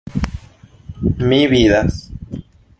Vi vidas!